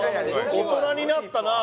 大人になったなあ